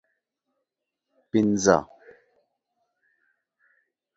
پنځه